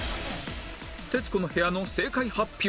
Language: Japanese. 『徹子の部屋』の正解発表